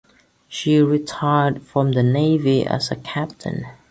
She retired from the Navy as a Captain.